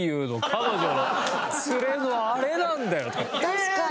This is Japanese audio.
確かに。